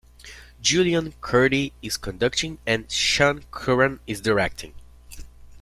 Julian Kuerti is conducting and Sean Curran is directing.